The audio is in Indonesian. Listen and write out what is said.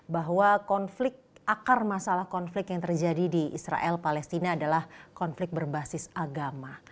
bahwa konflik akar masalah konflik yang terjadi di israel palestina adalah konflik berbasis agama